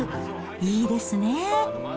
いいですね。